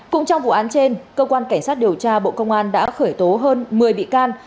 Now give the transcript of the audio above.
cũng trong vụ án trên cơ quan cảnh sát điều tra bộ công an đã khởi tố hơn một mươi bị can